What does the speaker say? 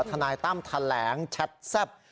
ทนายตั้มแถลงแชทแซ่บ